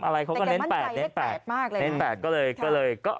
๘๓อะไรเขาก็เน้น๘ก็เลยแต่แกมันใจได้๘มากเลย